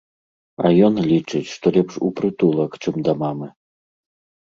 А ён лічыць, што лепш у прытулак, чым да мамы.